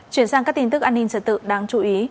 chuyển sang các tin tức an ninh trật tự đáng chú ý